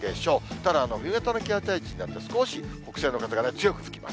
ただ、冬型の気圧配置になって少し北西の風がね、強く吹きます。